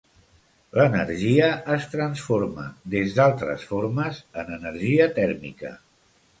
L'energia es transforma des d'altres formes en energia tèrmica.